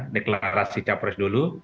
deklarasi capres dulu